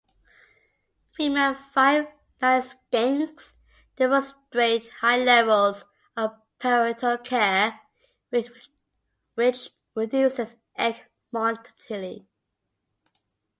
Female five-lined skinks demonstrate high levels of parental care which reduces egg mortality.